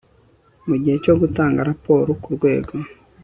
Mu gihe cyo gutanga raporo ku Rwego